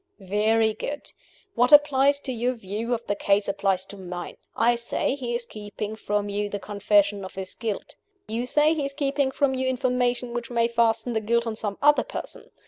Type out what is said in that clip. "Very good. What applies to your view of the case applies to mine. I say, he is keeping from you the confession of his guilt. You say, he is keeping from you information which may fasten the guilt on some other person.